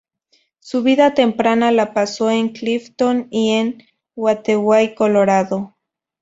Su vida temprana la pasó en Clifton y en Gateway, Colorado.